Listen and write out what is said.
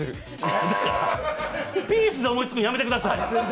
ピースで思いつくのやめてください。